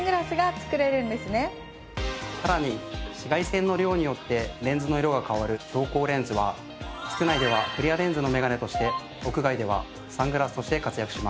さらに紫外線の量によってレンズの色が変わる調光レンズは室内ではクリアレンズのメガネとして屋外ではサングラスとして活躍します。